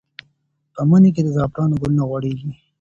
په مني کې د زعفرانو ګلونه غوړېږي.